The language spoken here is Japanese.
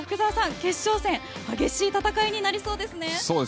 決勝戦激しい戦いになりそうですね。